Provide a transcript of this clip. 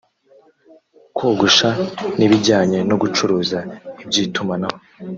kogosha n’ibijyanye no gucuruza iby’itumanaho